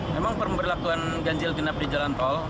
memang pemberlakuan ganjil genap di jalan tol